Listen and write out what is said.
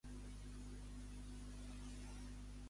«Quaranta anys de pau», es deia en temps d'en Hitler.